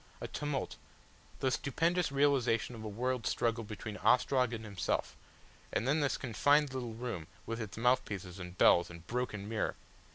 A tumult, the stupendous realisation of a world struggle between Ostrog and himself, and then this confined quiet little room with its mouthpieces and bells and broken mirror!